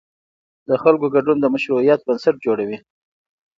د خلکو ګډون د مشروعیت بنسټ جوړوي